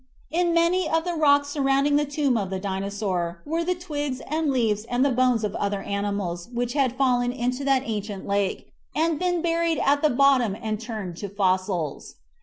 In many of the rocks surrounding the tomb of the Dinosaur were the twigs and leaves and the bones of the other animals which had fallen into that ancient A DINOSAUR BURIED IN THE ROCK 41 lake and been buried at the bottom and turned to fossils.